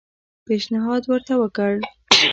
پېشنهاد ورته وکړ.